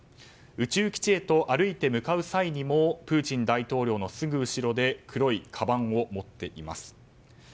宇宙基地へと歩いて向かう際にもプーチン大統領のすぐ後ろで黒いかばんを持っています。